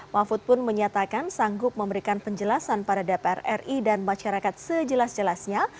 mahfud pun menyatakan sanggup memberikan penjelasan pada dpr ri dan masyarakat sejelas jelasnya